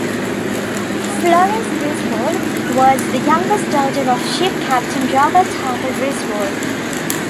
Florence Griswold was the youngest daughter of ship captain Robert Harper Griswold.